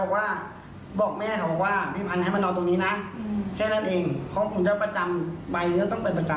บอกว่าบอกแม่เขาว่าพี่พันธุ์ให้มานอนตรงนี้น่ะแค่นั่นเองเขาคงจะประจำไปแล้วต้องไปประจำ